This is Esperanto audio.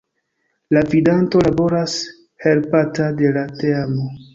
La Gvidanto laboras helpata de la Teamo.